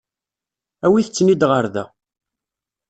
Awit-ten-id ɣer da.